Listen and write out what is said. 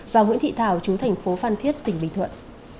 và nguyễn thị thảo chú thành phố phan thiết tỉnh bình thuận